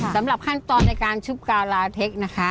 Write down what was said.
สำหรับขั้นตอนในการชุบกาวลาเทคนะคะ